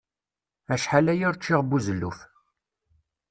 Acḥal aya ur ččiɣ buzelluf.